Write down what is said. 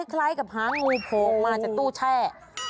ใครกับหางงูพลวงมาจากตู้แช่